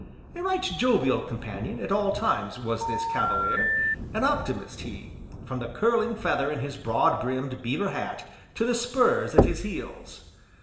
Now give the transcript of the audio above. A right jovial companion, at all times, was this Cavalier, an optimist he, from the curling feather in his broad brimmed beaver hat, to the spurs at his heels.